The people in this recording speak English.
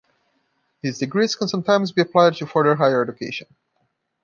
These degrees can sometimes be applied to further higher education.